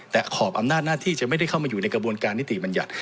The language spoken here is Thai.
แต่ขอบอำนาจหน้าที่จะไม่ได้เข้ามาอยู่ในกระบวนการนิติบัญญัติ